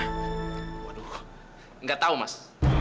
waduh nggak tahu mas